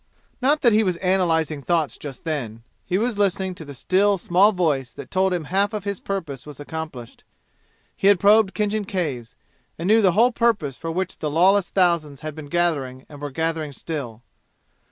Not that he was analyzing thoughts just then. He was listening to the still small voice that told him half of his purpose was accomplished. He had probed Khinjan Caves, and knew the whole purpose for which the lawless thousands had been gathering and were gathering still.